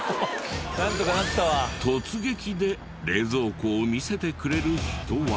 突撃で冷蔵庫を見せてくれる人は。